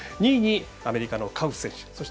２位にアメリカのカウフ選手。